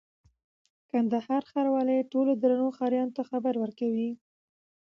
کندهار ښاروالي ټولو درنو ښاريانو ته خبر ورکوي: